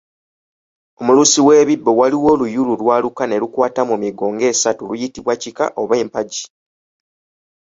Omulusi w'ekibbo waliwo oluyulu lw'aluka ne lukwata mu migo ng'esatu luyitibwa ekika oba empagi